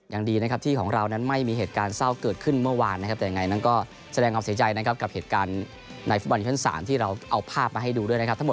ยังดีนะครับที่ของเรานั้นไม่มีเหตุการณ์เศร้าเกิดขึ้นเมื่อวานนะครับแต่ยังไงนั้นก็แสดงความเสียใจนะครับกับเหตุการณ์ในฟุตบอลชั้น๓ที่เราเอาภาพมาให้ดูด้วยนะครับทั้งหมด